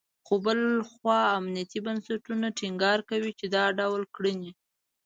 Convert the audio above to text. خو بل خوا امنیتي بنسټونه ټینګار کوي، چې دا ډول کړنې …